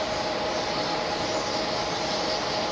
ต้องเติมเนี่ย